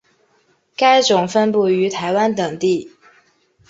该种分布于台湾等地。